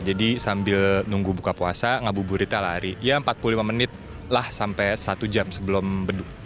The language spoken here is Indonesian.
jadi sambil nunggu buka puasa ngabuburita lari ya empat puluh lima menit lah sampai satu jam sebelum bedu